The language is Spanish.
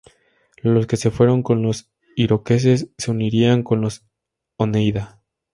Los que se fueron con los iroqueses se unirían con los oneida.